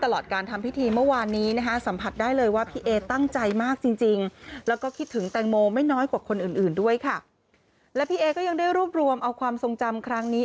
และพี่เอก็ยังได้รวบรวมเอาความทรงจำครั้งนี้